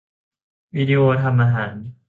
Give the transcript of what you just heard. วิดีโอทำอาหาร